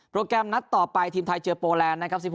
แกรมนัดต่อไปทีมไทยเจอโปแลนด์นะครับ